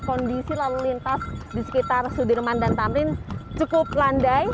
kondisi lalu lintas di sekitar sudirman dan tamrin cukup landai